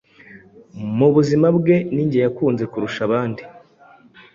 mu buzima bwe ninjye yakunze kurusha abandi